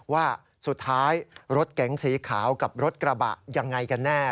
ว่าสุดท้ายรถเก๋งสีขาวกับรถกระบะยังไงกันแน่